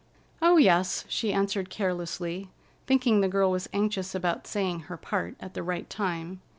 "Oh, yes," she answered carelessly, thinking the girl was anxious about saying her part at the right time.